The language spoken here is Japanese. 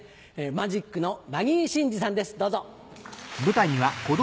マジックのマギー審司さんですどうぞ。